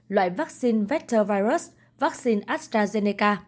loại vắc xin vector virus vắc xin astrazeneca